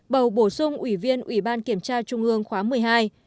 bầu bổ sung ủy viên ủy ban kiểm tra trung ương khóa một mươi hai